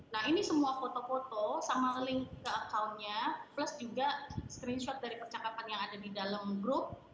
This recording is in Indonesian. nah ini semua foto foto sama link ke accountnya plus juga screenshot dari percakapan yang ada di dalam grup